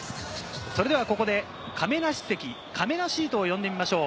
それではここで亀梨席、かめなシートを呼んでみましょう。